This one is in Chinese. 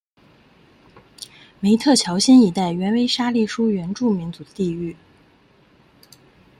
梅特乔辛一带原为沙利殊原住民族的地域。